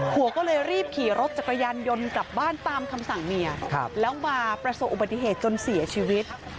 ผัวก็เลยรีบขี่รถจักรยานยนต์กลับบ้านตามคำสั่งเมียแล้วมาประสบอุบัติเหตุจนเสียชีวิต